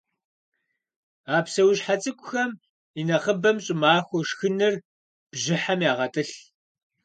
А псэущхьэ цӏыкӏухэм инэхъыбэм щӏымахуэ шхыныр бжьыхьэм ягъэтӏылъ.